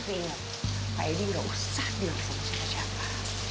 tapi ingat pak edi nggak usah diusahin sama siapa siapa